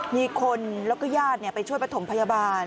มีคนแล้วก็ญาติไปช่วยประถมพยาบาล